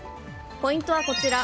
ポイントはこちら。